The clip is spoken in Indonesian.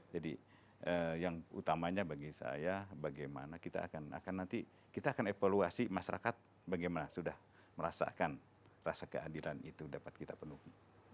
jadi yang utamanya bagi saya bagaimana kita akan nanti kita akan evaluasi masyarakat bagaimana sudah merasakan rasa keadilan itu dapat kita penuhi